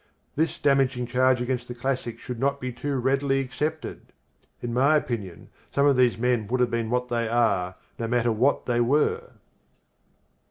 This damaging charge against the classics should not be too readily accepted. In my opinion some of these men would have been what they are, no matter what they were.